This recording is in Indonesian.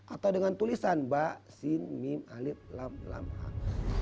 atau dengan tulisan ba sin mim alif lam lam am